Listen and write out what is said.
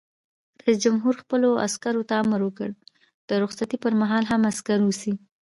رئیس جمهور خپلو عسکرو ته امر وکړ؛ د رخصتۍ پر مهال هم، عسکر اوسئ!